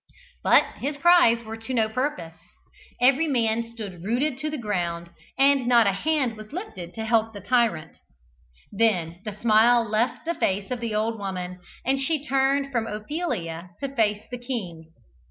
But his cries were to no purpose every man stood rooted to the ground, and not a hand was lifted to help the tyrant. Then the smile left the face of the old woman, and she turned from Ophelia to face the king.